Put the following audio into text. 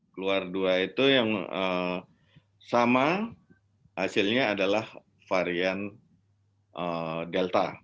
keluar dua itu yang sama hasilnya adalah varian delta seribu enam ratus tujuh belas dua